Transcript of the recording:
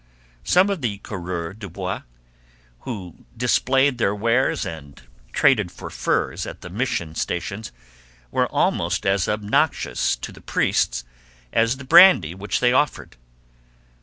Some of the coureurs de bois, who displayed their wares and traded for furs at the mission stations, were almost as obnoxious to the priests as the brandy which they offered.